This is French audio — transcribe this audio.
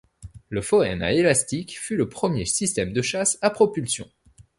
La foëne à élastique fut le premier système de chasse à propulsion.